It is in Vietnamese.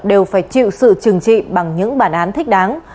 đều phải chịu sự trừng trị bằng những bản án thích đáng